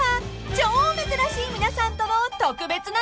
超珍しい皆さんとの特別な時間］